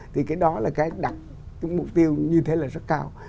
thì cái đó là cái đặt cái mục tiêu như thế là rất cao